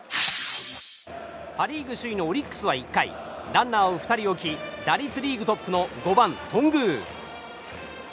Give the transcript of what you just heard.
パ・リーグ首位のオリックスは１回ランナーを２人置き打率リーグトップの５番、頓宮。